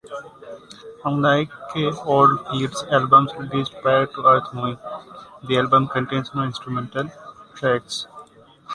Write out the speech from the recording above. Unlike Oldfield's albums released prior to "Earth Moving", the album contains no instrumental tracks.